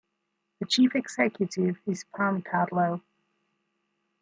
The Chief Executive is Pam Tatlow.